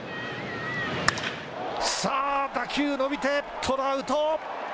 さあ、打球伸びて、トラウト。